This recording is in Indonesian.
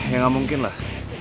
ya gak mungkin lah